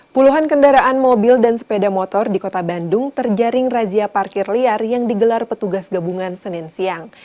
puluhan kendaraan mobil dan sepeda motor di kota bandung terjaring razia parkir liar yang digelar petugas gabungan senin siang